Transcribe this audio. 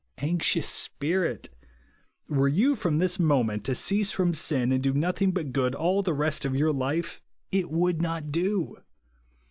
Anxious spirit ! Were you from this mo ment to cease from sin, and do nothing but good all the rest of your life, it would not do.